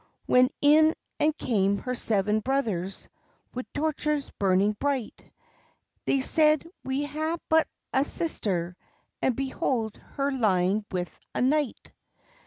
When in and came her seven brothers, Wi' torches burning bright: They said, "We hae but ae sister, And behold her lying with a knight!"